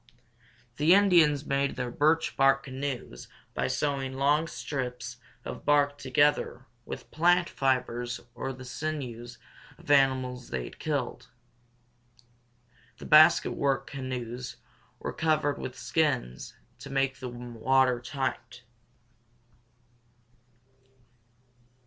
The Indians made their birch bark canoes by sewing long strips of bark together with plant fibers or the sinews of the animals they had killed. The basket work canoes were covered with skins to make them water tight.